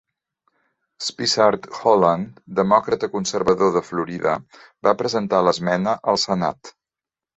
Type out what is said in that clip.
Spessard Holland, demòcrata conservador de Florida, va presentar l'esmena al Senat.